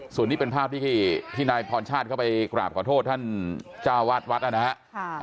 ส่วนนี้เป็นภาพที่นายพรชาติเข้าไปกราบขอโทษท่านเจ้าวาดวัดนะครับ